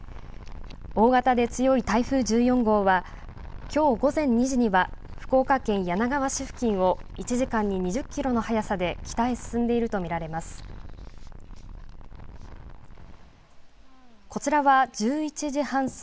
大型で強い台風１４号は、きょう午前２時には福岡県柳川市付近を１時間に２０キロの速さで北へ進んでいると見られます。